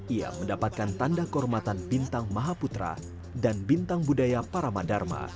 ia mendapatkan tanda kormatan bintang mahaputra dan bintang budaya paramadharma